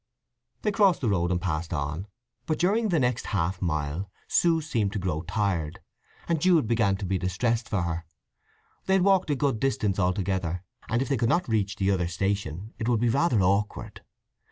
They crossed the road and passed on, but during the next half mile Sue seemed to grow tired, and Jude began to be distressed for her. They had walked a good distance altogether, and if they could not reach the other station it would be rather awkward.